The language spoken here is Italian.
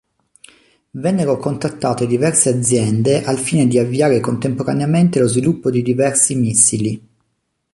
Vennero contattate diverse aziende al fine di avviare contemporaneamente lo sviluppo di diversi missili.